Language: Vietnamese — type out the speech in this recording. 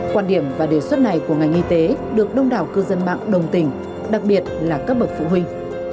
quan điểm và đề xuất này của ngành y tế được đông đảo cư dân mạng đồng tình đặc biệt là các bậc phụ huynh